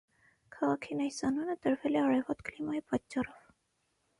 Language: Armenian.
Քաղաքին այս անունը տրվել է արևոտ կլիմայի պատճառով։